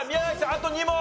あと２問！